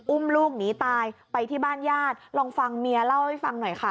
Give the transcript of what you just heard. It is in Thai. อุ้มลูกหนีตายไปที่บ้านญาติลองฟังเมียเล่าให้ฟังหน่อยค่ะ